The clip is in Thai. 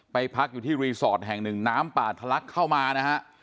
พักอยู่ที่รีสอร์ทแห่งหนึ่งน้ำป่าทะลักเข้ามานะฮะ